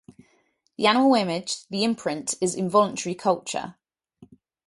The animal image, the imprint is involuntary culture.